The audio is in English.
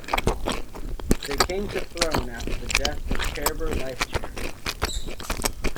They came to throne after the death of Cairbre Lifechair.